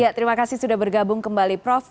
ya terima kasih sudah bergabung kembali prof